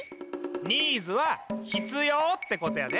ｎｅｅｄｓはひつようってことやで。